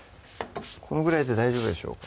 このぐらいで大丈夫でしょうか？